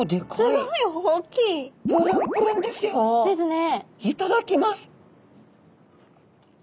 いただきます。